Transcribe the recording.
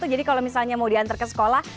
jadi kalau misalnya mau diantar ke sekolah